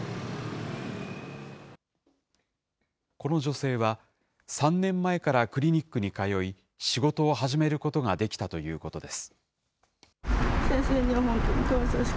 この女性は、３年前からクリニックに通い、仕事を始めることができたということです。